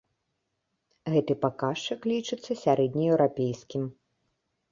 Гэты паказчык лічыцца сярэднееўрапейскім.